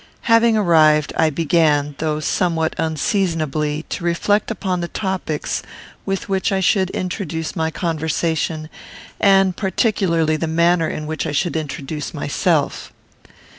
Having arrived, I began, though somewhat unseasonably, to reflect upon the topics with which I should introduce my conversation, and particularly the manner in which I should introduce myself.